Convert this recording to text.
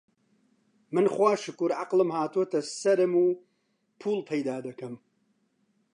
من خوا شوکور عەقڵم هاتۆتە سەرم و پووڵ پەیدا دەکەم